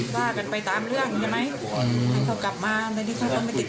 กล้ากันไปตามเรื่องใช่ไหมเขากลับมาแล้วนี่เขาไม่ติด